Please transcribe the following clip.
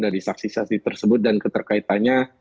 dari saksisasi tersebut dan keterkaitannya